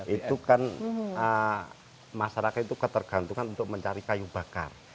itu kan masyarakat itu ketergantungan untuk mencari kayu bakar